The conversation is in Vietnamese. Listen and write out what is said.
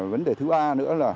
vấn đề thứ ba nữa là